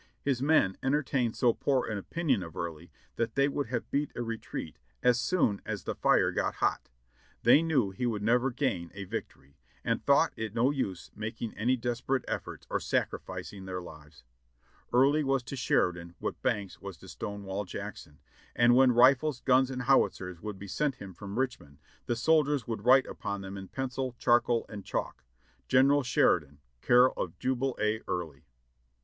His men entertained so poor an opinion of Early that they would have beat a retreat as soon as the fire got hot. They knew he would never gain a victory, and thought it no use making any desperate ef forts or sacrificing their lives. Early was to Sheridan what Banks w as to Stonewall Jackson, and when rifles, guns and howitzers would be sent him from Richmond the soldiers would write upon them in pencil, charcoal and chalk, "General Sheridan, care of Jubal A. Early."